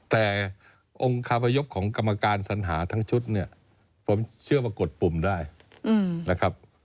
แต่องค์คาพยพของกรรมการสัญหาทั้งชุดเนี่ยผมเชื่อว่ากดปุ่มได้นะครับ